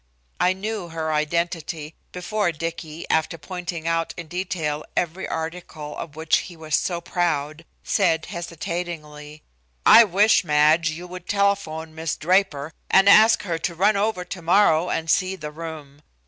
I knew her identity before Dicky, after pointing out in detail every article of which he was so proud, said hesitatingly: "I wish, Madge, you would telephone Miss Draper and ask her to run over tomorrow and see the room.